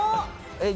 えっ？